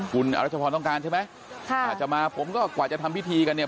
คุณอรัชพรต้องการใช่ไหมค่ะอาจจะมาผมก็กว่าจะทำพิธีกันเนี่ย